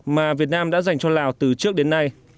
mà việt nam đã dành cho lào từ trước đến nay